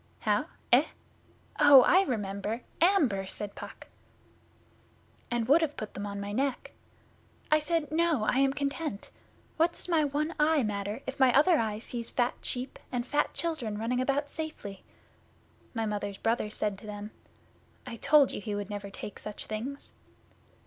'How? Eh? Oh, I remember! Amber,' said Puck. 'And would have put them on my neck. I said, "No, I am content. What does my one eye matter if my other eye sees fat sheep and fat children running about safely?" My Mother's brother said to them, "I told you he would never take such things."